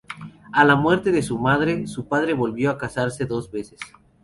A la muerte de su madre, su padre volvió a casarse dos veces.